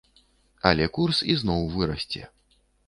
Але курс ізноў вырасце.